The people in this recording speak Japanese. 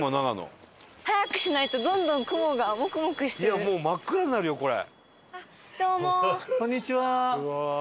伊達：もう真っ暗になるよこれ。